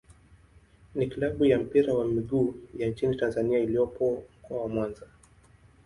ni klabu ya mpira wa miguu ya nchini Tanzania iliyopo Mkoa wa Mwanza.